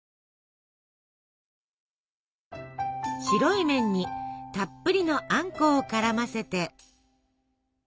白い麺にたっぷりのあんこを絡ませて。